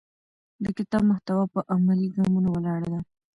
د کتاب محتوا په عملي ګامونو ولاړه ده.